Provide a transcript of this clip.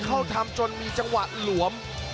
ทำจนมีจังหวะหลวม